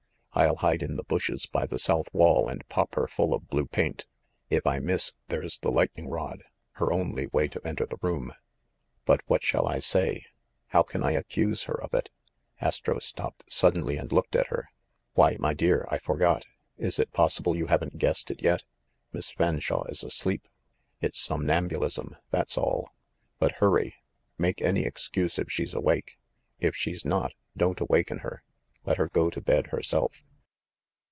I'll hide in the bushes by the south wall and pop her full of blue paint. If I miss, there's the lightning rod, her only way to enter the room." "But what shall I say‚ÄĒ how can I accuse her of it?" Astro stopped suddenly and looked at her. "Why, my dear, I forgot. Is it possible you haven't guessed it yet ? Miss Fanshawe is asleep. It's somnambulism, that's all. But hurry! Make any excuse if she's 80 THE MASTER OF MYSTERIES awake ; if she's not, don't awaken her. Let her go to bed herself."